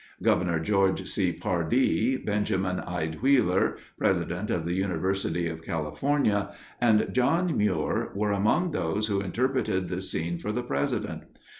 Governor George C. Pardee, Benjamin Ide Wheeler, president of the University of California, and John Muir were among those who interpreted the scene for the President.